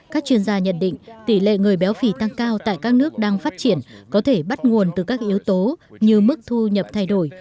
các chuyên gia nhận định tỷ lệ người béo phì tăng cao tại các nước đang phát triển có thể bắt nguồn từ các yếu tố như mức thu nhập thay đổi